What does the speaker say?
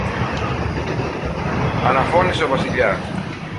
αναφώνησε ο Βασιλιάς.